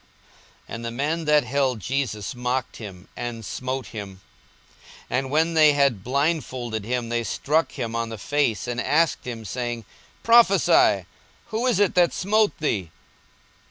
42:022:063 And the men that held Jesus mocked him, and smote him. 42:022:064 And when they had blindfolded him, they struck him on the face, and asked him, saying, Prophesy, who is it that smote thee?